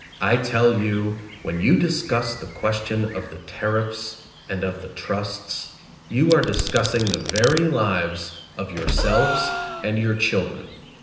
I tell you, when you discuss the question of the tariffs and of the trusts, you are discussing the very lives of yourselves and your children.